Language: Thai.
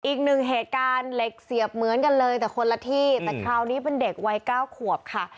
อีกหนึ่งเหตุการณ์เหล็กเสียบเหมือนกันเลยแต่คนละที่แต่คราวนี้เป็นเด็กวัยเก้าขวบค่ะ